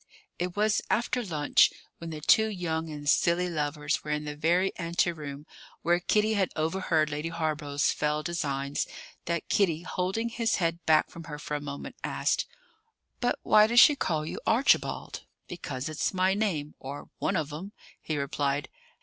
It was after lunch, when the two young and silly lovers were in the very ante room where Kitty had overheard Lady Hawborough's fell designs, that Kitty, holding his head back from her for a moment, asked: "But why does she call you Archibald?" "Because it's my name, or one of 'em," he replied.